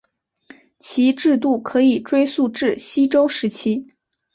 其制度可以追溯至西周时期。